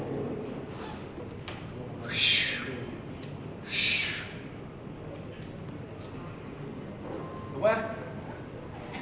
ฮอร์โมนถูกต้องไหม